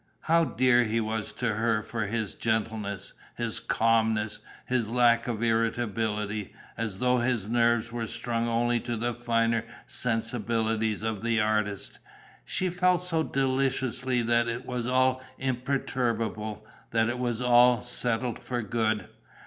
How dear he was to her for his gentleness, his calmness, his lack of irritability, as though his nerves were strung only to the finer sensibilities of the artist. She felt so deliciously that it was all imperturbable, that it was all settled for good.